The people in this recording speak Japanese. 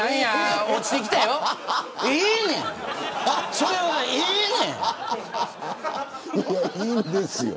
それはええねん。